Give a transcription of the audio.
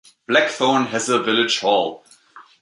Blackthorn has a village hall.